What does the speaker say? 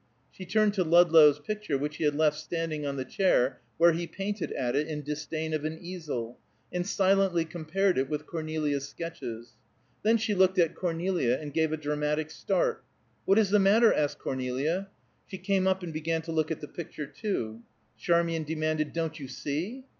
She turned to Ludlow's picture which he had left standing on the chair where he painted at it in disdain of an easel, and silently compared it with Cornelia's sketches. Then she looked at Cornelia and gave a dramatic start. "What is the matter?" asked Cornelia. She came up and began to look at the picture, too. Charmian demanded, "Don't you see?"